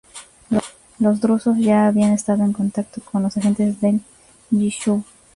Los drusos ya habían estado en contacto con los agentes del Yishuv.